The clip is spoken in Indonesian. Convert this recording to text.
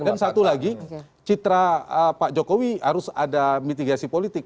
dan satu lagi citra pak jokowi harus ada mitigasi politik